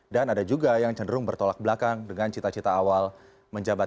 dan ada juga yang cenderung bertolak belakang dengan cita cita awal menjabat